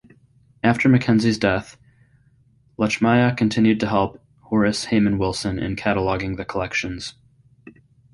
After Mackenzie's death, Lechmiah continued to help Horace Hayman Wilson in cataloguing the collections.